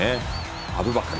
アブバカル。